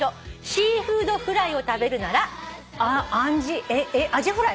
シーフードフライ食べるならこちら。